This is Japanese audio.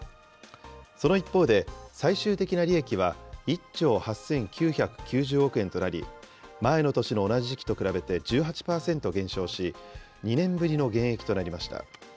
その一方で、最終的な利益は１兆８９９０億円となり、前の年の同じ時期と比べて１８％減少し、２年ぶりの減益となりました。